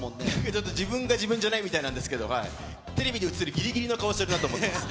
ちょっと自分が自分じゃないみたいなんですけど、テレビで映るぎりぎりの顔しているなと思います。